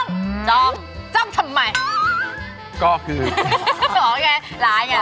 เวลามองตา